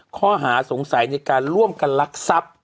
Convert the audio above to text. ข้อหาสงสัยในการร่วมกันลักทรัพย์